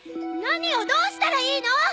何をどうしたらいいの？